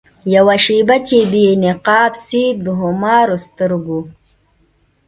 یوه شېبه چي دي نقاب سي د خمارو سترګو